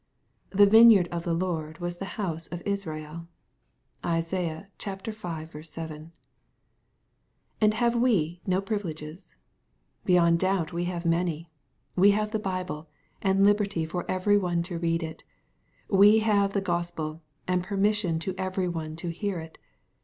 The vineyard of the Lord was the j house of Israel. (Isai. v. 7.) And have we no privileges ? Beyond doubt we have many. We have the Bible, and liberty for every one to read it. We have the Gospel, and permission to every one to hear it.'